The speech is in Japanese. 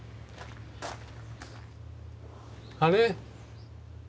あれ？